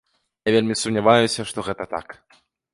Я вельмі сумняваюся, што гэта так.